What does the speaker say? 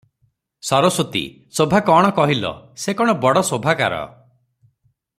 ସରସ୍ୱତୀ - ଶୋଭା କଣ କହିଲ, ସେ କଣ ବଡ଼ ଶୋଭାକାର ।